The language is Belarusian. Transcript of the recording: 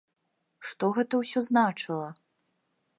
Што гэта ўсё значыла?